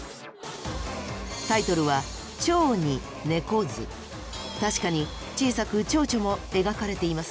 タイトルは確かに小さくチョウチョも描かれています。